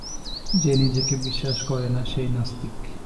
যে নিজেকে বিশ্বাস করে না, সেই নাস্তিক।